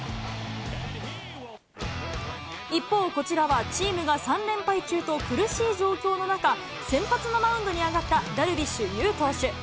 一方、こちらはチームが３連敗中と苦しい状況の中、先発のマウンドに上がったダルビッシュ有投手。